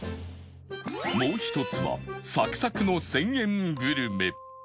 もう一つはサクサクの１０００円グルメ